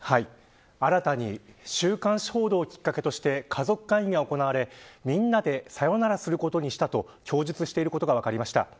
新たに、週刊誌報道をきっかけとして家族会議が行われみんなでさよならすることにしたと供述していることが分かりました。